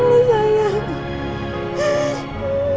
nanti kita berjalan